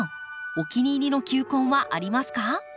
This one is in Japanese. お気に入りの球根はありますか？